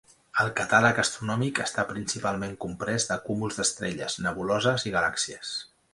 El catàleg astronòmic està principalment comprès de cúmuls d'estrelles, nebuloses i galàxies.